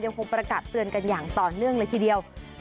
คงประกาศเตือนกันอย่างต่อเนื่องเลยทีเดียว